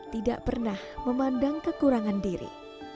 tidak pernah memandang kekurangan diri